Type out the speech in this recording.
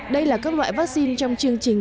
đây là các loại vaccine trong chương trình